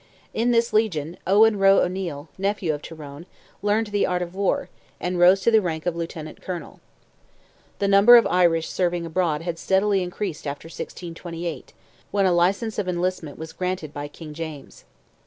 In this legion, Owen Roe O'Neil, nephew of Tyrone, learned the art of war, and rose to the rank of Lieutenant Colonel. The number of Irish serving abroad had steadily increased after 1628, when a license of enlistment was granted by King James.